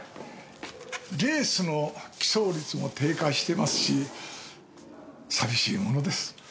レースの帰巣率も低下してますし寂しいものです。